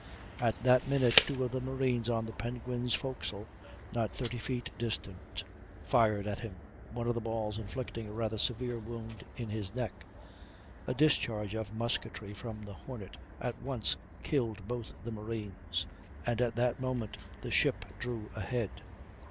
At that minute two of the marines on the Penguin's forecastle, not 30 feet distant, fired at him, one of the balls inflicting a rather severe wound in his neck. A discharge of musketry from the Hornet at once killed both the marines, and at that moment the ship drew ahead.